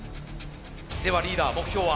ではリーダー目標は？